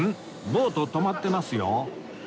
ボート止まってますよ